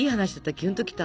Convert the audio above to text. キュンときた。